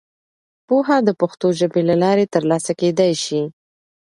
پوهه د پښتو ژبې له لارې ترلاسه کېدای سي.